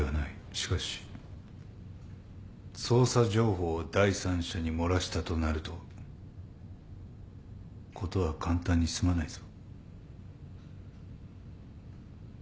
しかし捜査情報を第三者に漏らしたとなると事は簡単に済まないぞ。